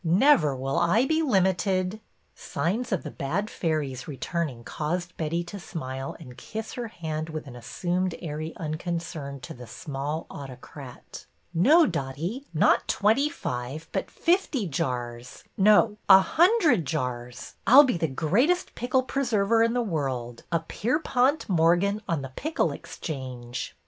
Never will I be limited —" Signs of the bad fairies returning caused Betty to smile and kiss her hand with assumed airy un concern to the small autocrat. No, Dotty, not twenty five, but fifty jars, — no, a hundred jars! I 'll be the greatest pickle preserver in the world, a Pierpont Morgan on the Pickle Exchange